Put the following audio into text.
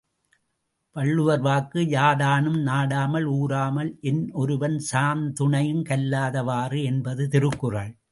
வள்ளுவர் வாக்கு யாதானும் நாடாமால் ஊராமால் என்னொருவன் சாந்துணையும் கல்லாத வாறு. என்பது திருக்குறள்.